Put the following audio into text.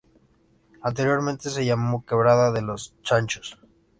Anteriormente se llamó Quebrada de Los Chanchos.